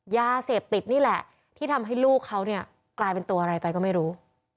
ยาเสพติดนี่แหละที่ทำให้ลูกเขาเนี่ยกลายเป็นตัวอะไรไปก็ไม่รู้